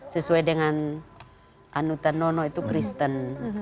sesuai dengan anutan nono itu kristen